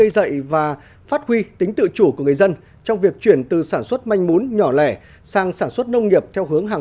xin chào và hẹn gặp lại